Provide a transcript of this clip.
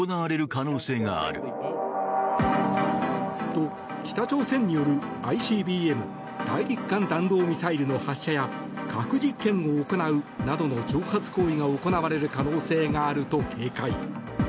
と、北朝鮮によるＩＣＢＭ・大陸間弾道ミサイルの発射や核実験を行うなどの挑発行為が行われる可能性があると警戒。